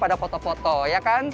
pada foto foto ya kan